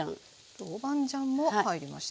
豆板醤も入りました。